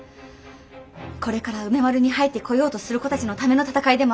これから梅丸に入ってこようとする子たちのための闘いでもあるの。